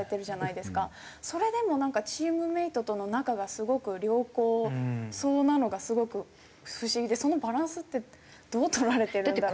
それでもなんかチームメートとの仲がすごく良好そうなのがすごく不思議でそのバランスってどう取られてるんだろうなと。